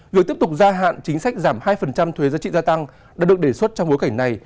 việc tiếp tục gia hạn chính sách giảm hai thuế giá trị gia tăng đã được đề xuất trong bối cảnh này